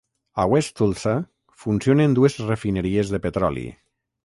A West Tulsa funcionen dues refineries de petroli.